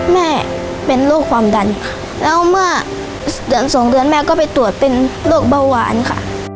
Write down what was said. แม่เป็นโรคความดันแล้วเมื่อเดือนสองเดือนแม่ก็ไปตรวจเป็นโรคเบาหวานค่ะ